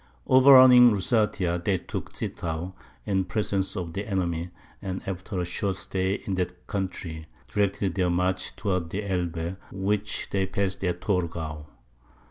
Overrunning Lusatia, they took Zittau, in presence of the enemy, and after a short stay in that country, directed their march towards the Elbe, which they passed at Torgau.